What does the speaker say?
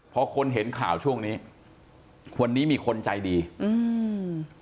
พอคนเห็นข่าวช่วงนี้วันนี้มีคนใจดีอืม